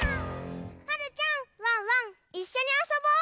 はるちゃんワンワンいっしょにあそぼう。